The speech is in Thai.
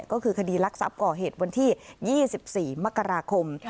ก็คือคดีรักทรัพย์ก่อเหตุวันที่๒๔มกราคม